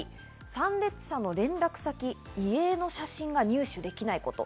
参列者の連絡先、遺影の写真が入手できないこと。